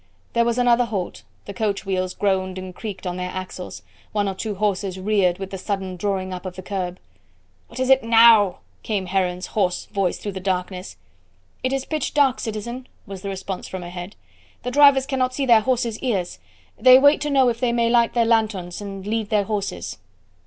There was another halt, the coach wheels groaned and creaked on their axles, one or two horses reared with the sudden drawing up of the curb. "What is it now?" came Heron's hoarse voice through the darkness. "It is pitch dark, citizen," was the response from ahead. "The drivers cannot see their horses' ears. They wait to know if they may light their lanthorns and then lead their horses."